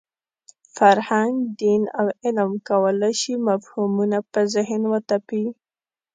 فرهنګ، دین او علم کولای شي مفهومونه په ذهن وتپي.